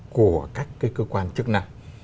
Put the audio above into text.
của các cơ quan chức năng